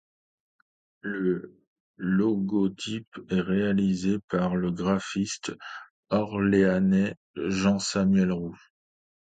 Le logotype est réalisé par le graphiste orléanais Jean-Samuel Roux.